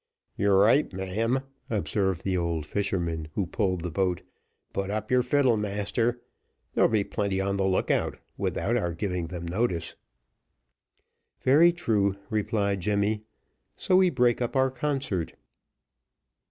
"You're right, ma'am," observed the old fisherman, who pulled the boat. "Put up your fiddle, master; there be plenty on the look out, without our giving them notice." "Very true," replied Jemmy, "so we break up our concert."